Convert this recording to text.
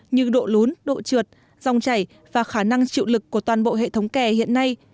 như độ lún độ trượt dòng chảy và khả năng chịu lực của toàn bộ hệ thống kè hiện nay